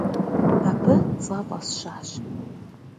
Абы цӏэ фӀэсщащ.